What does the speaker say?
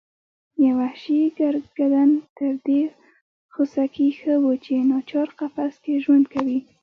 یو وحشي ګرګدن تر دې خوسکي ښه و چې ناچار قفس کې ژوند کوي.